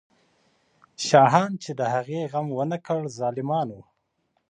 شاهان چې د هغې غم ونه کړ، ظالمان وو.